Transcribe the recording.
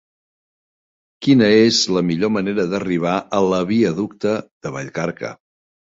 Quina és la millor manera d'arribar a la viaducte de Vallcarca?